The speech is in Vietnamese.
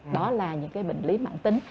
đó là những cái bệnh lý mạng tính